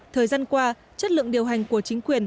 thời gian qua chất lượng điều hành của chính quyền